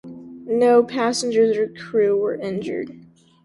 No passengers or crew were injured.